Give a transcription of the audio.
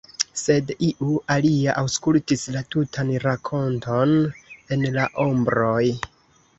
Sed, iu alia aŭskultis la tutan rakonton en la ombroj.